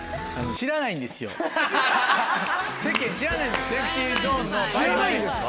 知らないんですか？